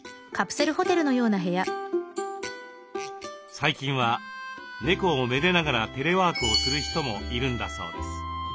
最近は猫をめでながらテレワークをする人もいるんだそうです。